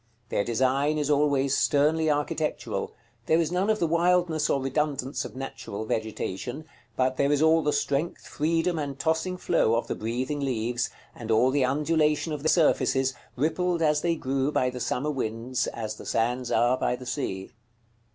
Their design is always sternly architectural; there is none of the wildness or redundance of natural vegetation, but there is all the strength, freedom, and tossing flow of the breathing leaves, and all the undulation of their surfaces, rippled, as they grew, by the summer winds, as the sands are by the sea.